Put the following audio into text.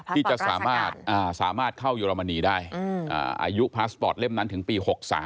ที่จะสามารถเข้าเยอรมนีได้อายุพาสปอร์ตเล่มนั้นถึงปี๖๓